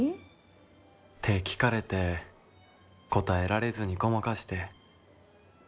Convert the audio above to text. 「って聞かれて答えられずにごまかして。